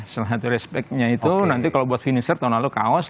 salah satu respectnya itu nanti kalau buat finisher tahun lalu kaos